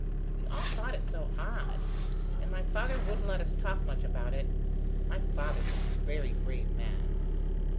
We all thought it so odd: and my father wouldn't let us talk much about it. My father's a very brave man."